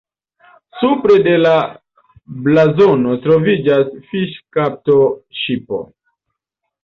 Supre de la blazono troviĝas fiŝkapto-ŝipo.